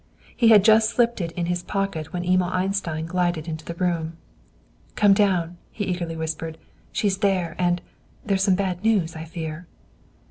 He had just slipped it in his pocket when Emil Einstein glided into the room. "Come down," he eagerly whispered, "She's there, and there's some bad news, I fear."